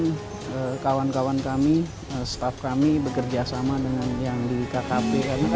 kemudian kawan kawan kami staff kami bekerja sama dengan yang di kkp